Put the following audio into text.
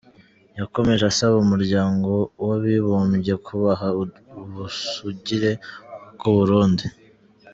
Yakomeje asaba Umuryango w’Abibumbye kubaha ubusugire bw’u Burundi.